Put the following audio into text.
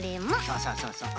そうそうそうそう。